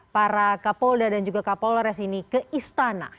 para kapolda dan juga kapolres ini ke istana